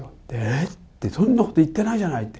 って、そんなこと言ってないじゃないって。